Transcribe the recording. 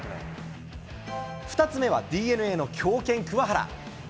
２つ目はＤｅＮＡの強肩、桑原。